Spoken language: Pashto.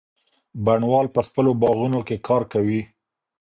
بڼوال په خپلو باغونو کي کار کوي.